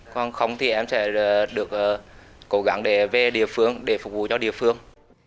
còn không thì em sẽ được cố gắng để về địa phương để phục vụ cho địa phương